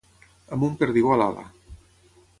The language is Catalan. Amb un perdigó a l'ala.